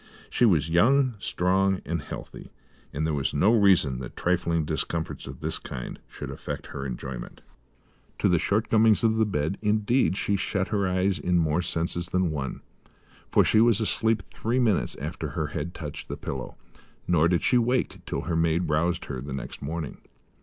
She was young, strong and healthy, and there was no reason that trifling discomforts of this kind should affect her enjoyment. To the shortcomings of the bed, indeed, she shut her eyes in more senses than one, for she was asleep three minutes after her head touched the pillow, nor did she wake till her maid roused her the next morning.